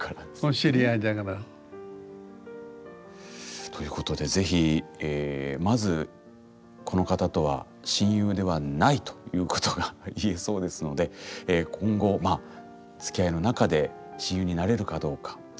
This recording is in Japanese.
お知り合いだから。ということでぜひまずこの方とは親友ではないということが言えそうですので今後まあつきあいの中で親友になれるかどうかそれもよし。